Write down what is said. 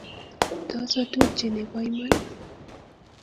Tos otupche nebo iman